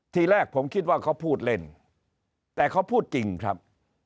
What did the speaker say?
ทีแรกผมคิดว่าเขาพูดเล่นแต่เขาพูดจริงครับ